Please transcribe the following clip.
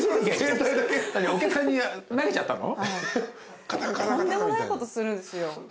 とんでもないことするんですよ。